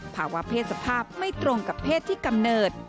ภาวะเพศสภาพไม่ตรงกับเพศที่กำเนิด